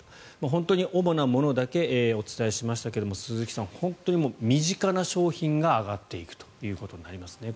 本当に主なものだけお伝えしましたが鈴木さん、本当に身近な商品が上がっていくことになりますね。